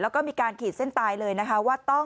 และมีลายได้ภายธุ์ใน๗วัน